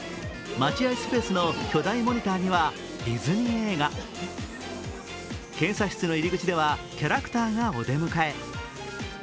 待合スペースの巨大モニターにはディズニー映画、検査質の入り口ではキャラクターがお出迎え。